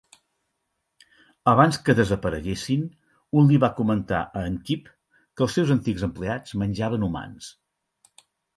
Abans de que desapareguessin, un li va comentar a en Kip que el seus antics empleats menjaven humans.